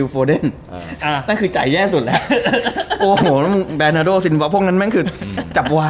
ผมเข้าพูดว่า